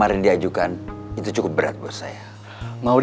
ada tugas khusus buat kamu